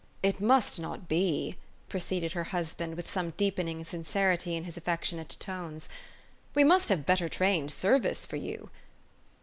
"It must not be," proceeded her husband with some deepening sincerity in his affectionate tones. " We must have better trained service for you."